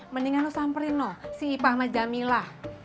mendingan lo samperin si ipah sama jamila